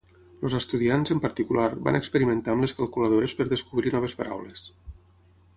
Els estudiants, en particular, van experimentar amb les calculadores per descobrir noves paraules.